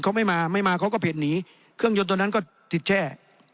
เขาไม่มาไม่มาเขาก็เผ็ดหนีเครื่องยนต์ตัวนั้นก็ติดแช่